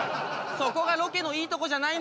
そこがロケのいいとこじゃないの？